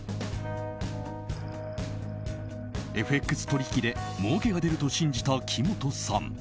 ＦＸ取引でもうけが出ると信じた木本さん。